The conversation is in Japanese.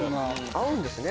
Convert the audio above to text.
合うんですね